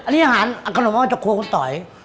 นี้ขนมอาจอกครัวคุณต่อย